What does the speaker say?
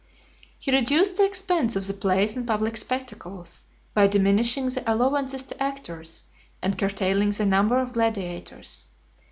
XXXIV. He reduced the expense of the plays and public spectacles, by diminishing the allowances to actors, and curtailing the number of gladiators.